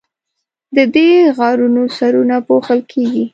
د دې غارونو سرونه پوښل کیږي.